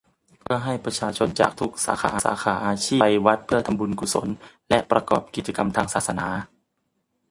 เพื่อให้ประชาชนจากทุกสาขาอาชีพได้ไปวัด เพื่อทำบุญกุศลและประกอบกิจกรรมทางศาสนา